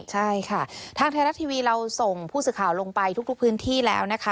ใช่ค่ะทางไทยรัฐทีวีเราส่งผู้สื่อข่าวลงไปทุกพื้นที่แล้วนะคะ